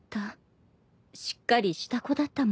しっかりした子だったもの。